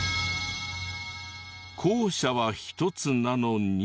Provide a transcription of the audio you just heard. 校舎は１つなのに。